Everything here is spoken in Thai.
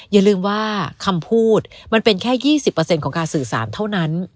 อย่าลืมว่าคำพูดมันเป็นแค่๒๐ของการสื่อสารเท่านั้น